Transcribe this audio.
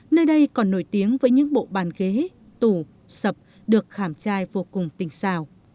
nơi đây còn nổi tiếng với những bộ bàn ghế tủ sập được khảm chai vô cùng tinh xào